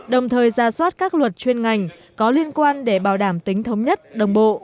đồng thời ra soát các luật chuyên ngành có liên quan để bảo đảm tính thống nhất đồng bộ